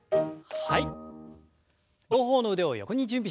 はい。